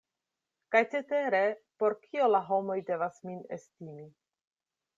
Kaj cetere por kio la homoj devas min estimi?